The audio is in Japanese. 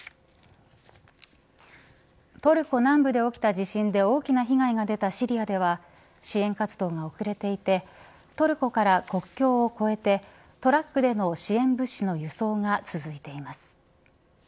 トルコ南部で起きた地震で大きな被害が出たシリアでは支援活動が遅れていてトルコから国境を越えてトラックでの支援物資の輸送が続いています。